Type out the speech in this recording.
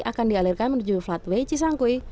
akan dialirkan menuju flatwe cisangkui